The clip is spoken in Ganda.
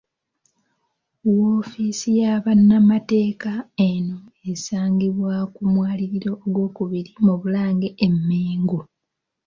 Woofiisi ya bannamateeka eno esangibwa ku mwaliro ogwokubiri mu Bulange e Mmengo.